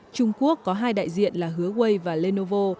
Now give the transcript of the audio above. trung quốc có hai đại diện là huawei và lenovo